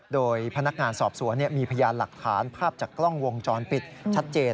โดยพนักงานสอบสวนมีพยานหลักฐานภาพจากกล้องวงจรปิดชัดเจน